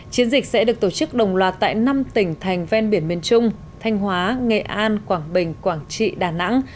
chiến dịch sẽ được tổ chức đồng loạt tại năm tỉnh thành ven biển miền trung thanh hóa nghệ an quảng bình quảng trị đà nẵng